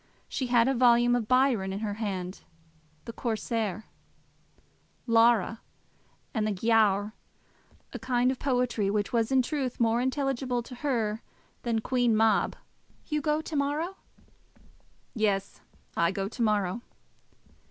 She had a volume of Byron in her hand, the Corsair, Lara, and the Giaour, a kind of poetry which was in truth more intelligible to her than Queen Mab. "You go to morrow?" "Yes; I go to morrow."